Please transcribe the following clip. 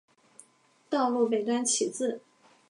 道路北端起自。